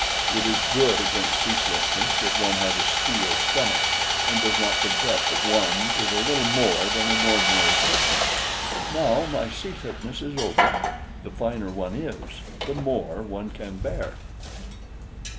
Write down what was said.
"It is good against seasickness, if one has a steel stomach, and does not forget that one is a little more than an ordinary person! Now my seasickness is over. The finer one is, the more one can bear."